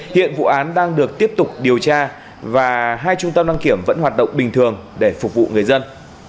hiện vụ án đang được tiếp tục điều tra và hai trung tâm đăng kiểm vẫn hoạt động bình thường để phục vụ người dân